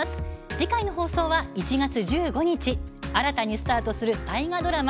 次回の放送は、１月１５日新たにスタートする大河ドラマ